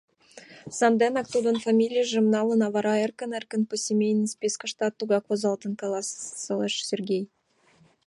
Санденак тудын фамилийжым налын, а вара эркын-эркын посемейный спискыштат тугак возалтын, — каласылеш Сергей.